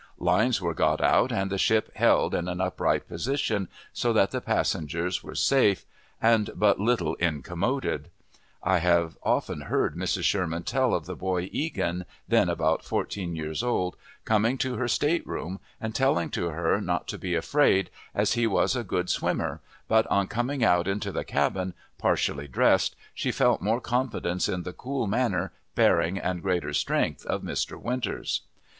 Lines were got out, and the ship held in an upright position, so that the passengers were safe, and but little incommoded. I have often heard Mrs. Sherman tell of the boy Eagan, then about fourteen years old, coming to her state room, and telling to her not to be afraid, as he was a good swimmer; but on coming out into the cabin, partially dressed, she felt more confidence in the cool manner, bearing, and greater strength of Mr. Winters.